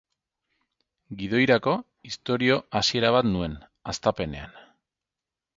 Gidoirako, istorio hasiera bat nuen, hastapenean.